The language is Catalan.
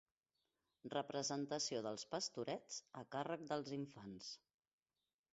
Representació dels pastorets a càrrec dels infants.